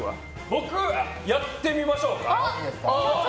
僕、やってみましょうか？